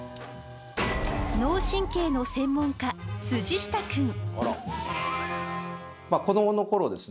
脳神経の専門家下くん。